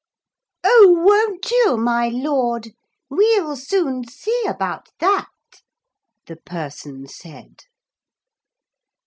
'Oh, won't you, my Lord? We'll soon see about that,' the person said.